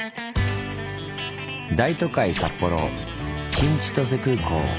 大都会札幌新千歳空港